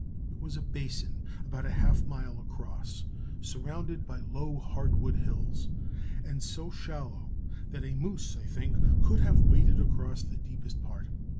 It was a basin about a half mile across, surrounded by low hardwood hills, and so shallow that a moose, I think, could have waded across the deepest part.